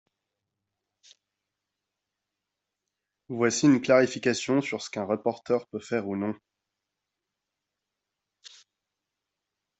Voici une clarification sur ce qu’un rapporteur peut faire ou non.